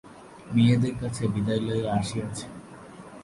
মেয়েদের কাছে বিদায় লইয়া আসিয়াছে।